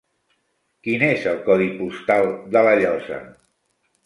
Quin és el codi postal de La Llosa?